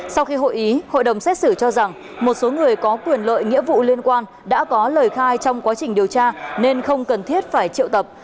sau khi hội ý hội đồng xét xử cho rằng một số người có quyền lợi nghĩa vụ liên quan đã có lời khai trong quá trình điều tra nên không cần thiết phải triệu tập